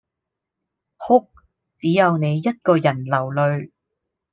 哭，只有你一個人流淚